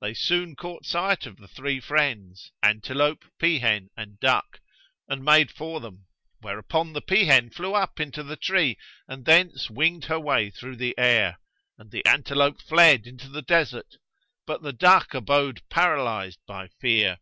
They soon caught sight of the three friends, antelope, peahen and duck, and made for them; whereupon the peahen flew up into the tree and thence winged her way through air; and the antelope fled into the desert, but the duck abode paralyzed by fear.